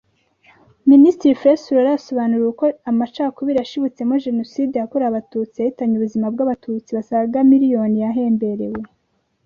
Minisitiri Flessel Laura yasobanuriwe uko amacakubiri yashibutsemo Jenoside yakorewe Abatutsi yahitanye ubuzima bw’Abatutsi basaga miliyoni yahemberewe